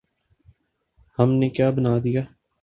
ہم نے کیا بنا دیا؟